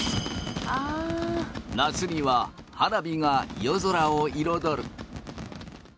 夏には花火が夜空を彩る。